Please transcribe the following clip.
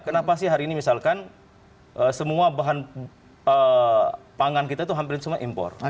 kenapa sih hari ini misalkan semua bahan pangan kita itu hampir semua impor